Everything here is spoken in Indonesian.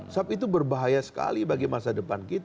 sebab itu berbahaya sekali bagi masa depan kita